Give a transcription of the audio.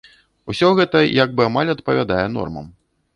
Усё гэта як бы амаль адпавядае нормам.